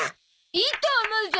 いいと思うゾ。